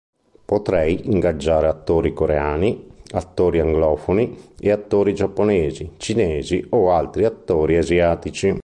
Potrei ingaggiare attori coreani, attori anglofoni e attori giapponesi, cinesi o altri attori asiatici.